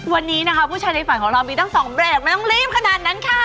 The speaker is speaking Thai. วันนี้นะคะผู้ชายในฝันของเรามีตั้ง๒เบรกไม่ต้องรีบขนาดนั้นค่ะ